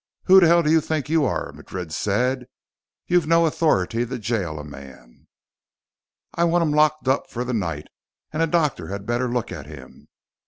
"Who in hell do you think you are?" Madrid said. "You've no authority to jail a man." "I want him locked up for the night. And a doctor had better look at him.